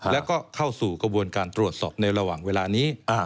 แล้วก็เข้าสู่กระบวนการตรวจสอบในระหว่างเวลานี้